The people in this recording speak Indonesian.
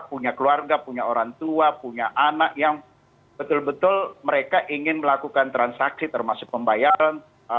punya keluarga punya orang tua punya anak yang betul betul mereka ingin melakukan transaksi termasuk pembayaran